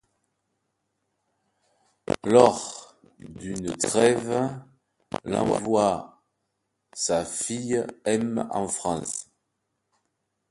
Lors d'une trêve, L envoie sa fille M en France.